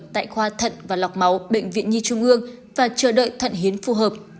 tại khoa thận và lọc máu bệnh viện nhi trung ương và chờ đợi thận hiến phù hợp